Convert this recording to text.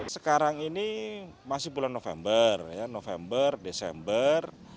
sekarang ini masih bulan november ya november desember